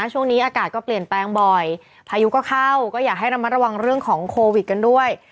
ช่วงนี้อากาศก็เปลี่ยนแปลงบ่อยพายุก็เข้าก็อยากให้ระมัดระวังเรื่องของโควิดกันด้วย